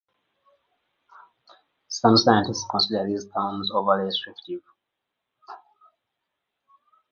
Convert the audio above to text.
Some scientists consider these terms overly restrictive.